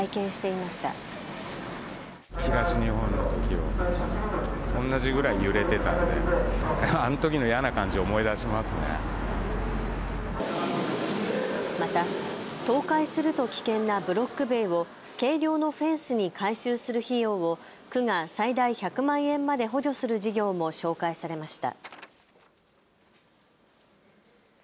また、倒壊すると危険なブロック塀を軽量のフェンスに改修する費用を区が最大１００万円まで補助する事業も紹介されました。